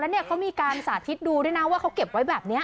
แล้วเนี่ยเขามีการสาธิตดูด้วยนะว่าเขาเก็บไว้แบบนี้